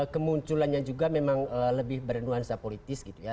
kemunculannya juga memang lebih bernuansa politis gitu ya